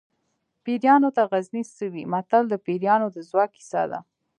پیریانو ته غزني څه وي متل د پیریانو د ځواک کیسه ده